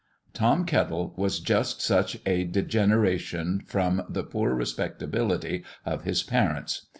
Tom Kettle was just such a degeneration from the poor respectability of his parents.